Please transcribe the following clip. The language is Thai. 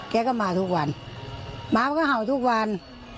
แกก็มาทุกวันหมามันก็เห่าทุกวัน